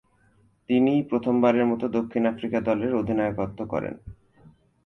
তিনি প্রথমবারের মতো দক্ষিণ আফ্রিকা দলের অধিনায়কত্ব করেন।